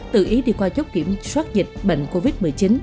tự ý đi qua chốt kiểm soát dịch bệnh covid một mươi chín